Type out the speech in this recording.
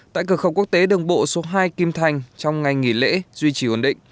tại cửa khẩu quốc tế đường bộ số hai kim thành trong ngày nghỉ lễ duy trì ổn định